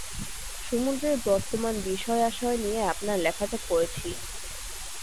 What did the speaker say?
সমুদ্রের বর্তমান বিষয়আশয় নিয়ে আপনার লেখাটা পড়েছি!